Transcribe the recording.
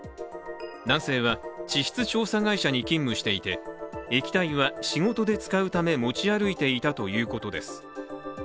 男性は地質調査会社に勤務していて液体は、仕事で使うため持ち歩いていたということです。